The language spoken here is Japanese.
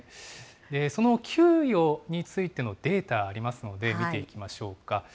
その給与についてのデータありますので、見ていきましょうか。